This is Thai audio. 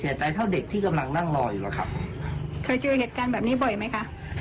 เคยเจอเหตุการณ์แบบนี้บ่อยไหมคะ